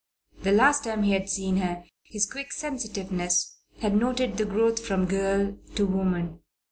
The last time he had seen her, his quick sensitiveness had noted the growth from girl to woman.